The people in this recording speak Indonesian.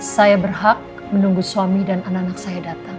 saya berhak menunggu suami dan anak anak saya datang